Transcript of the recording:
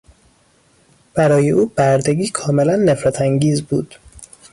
برای او بردگی کاملا نفرتانگیز بود.